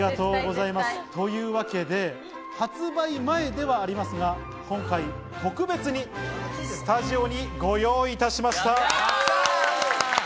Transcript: というわけで発売前ではありますが、今回特別にスタジオにご用意いたしました。